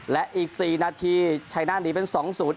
และอีกสี่นาทีชัยนาดหนีเป็นสองศูนย์